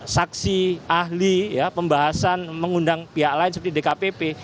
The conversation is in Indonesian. saksi ahli pembahasan mengundang pihak lain seperti dkpp